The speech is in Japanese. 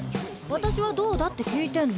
「私はどうだ？」って聞いてんの。